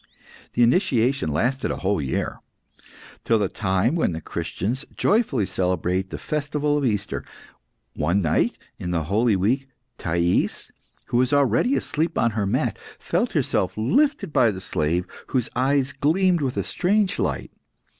The initiation lasted a whole year, till the time when the Christians joyfully celebrate the festival of Easter. One night in the holy week, Thais, who was already asleep on her mat, felt herself lifted by the slave, whose eyes gleamed with a strange light.